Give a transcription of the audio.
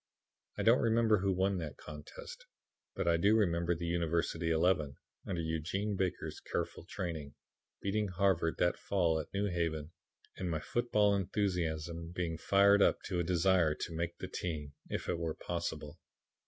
I don't remember who won that contest, but I do remember the University eleven, under Eugene Baker's careful training, beating Harvard that fall at New Haven and my football enthusiasm being fired up to a desire to make the team, if it were possible.